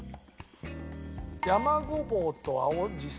山ごぼうと青じそ。